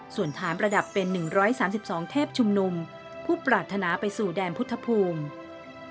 ส่วนฐานประดับเป็น๑๓๒เทพชุมนุมผู้ปรารถนาไปสู่แดนพุทธภูมิ